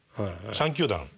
３球団。